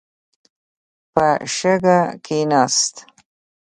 په شګه کښېناست.